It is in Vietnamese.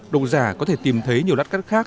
độc giả có thể tìm thấy nhiều lát cắt khác